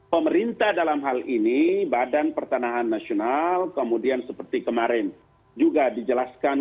pemerintah dalam hal ini badan pertanahan nasional kemudian seperti kemarin juga dijelaskan